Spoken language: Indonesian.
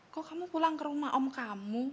kok kamu pulang ke rumah om kamu